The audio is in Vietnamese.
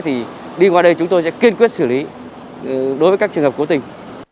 thì đi qua đây chúng tôi sẽ kiên quyết xử lý đối với các trường hợp cố tình